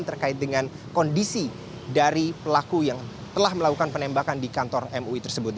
terkait dengan kondisi dari pelaku yang telah melakukan penembakan di kantor mui tersebut